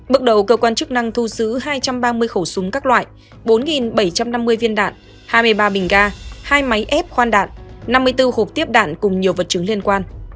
bước đầu cơ quan chức năng thu giữ hai trăm ba mươi khẩu súng các loại bốn bảy trăm năm mươi viên đạn hai mươi ba bình ga hai máy ép khoan đạn năm mươi bốn hộp tiếp đạn cùng nhiều vật chứng liên quan